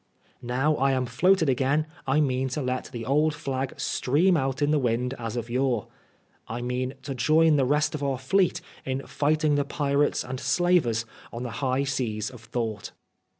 Now I am floated again I mean to let the old flag stream out on the wind as of yore. I mean* to join the rest of our fleet in flghting the pirates and slavers on the high seas of thought."